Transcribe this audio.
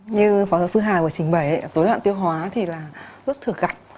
như phó giáo sư hà vừa trình bày dối loạn tiêu hóa thì rất thừa gặp